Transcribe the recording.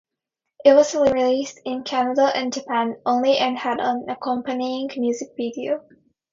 It was released in Canada and Japan only and had an accompanying music video.